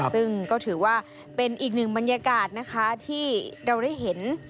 ซึ่งก็ถือว่าเป็นอีกหนึ่งบรรยากาศนะคะที่เราได้เห็น